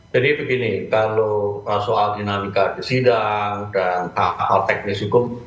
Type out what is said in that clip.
jadi begini kalau soal dinamika sidang dan hal teknis hukum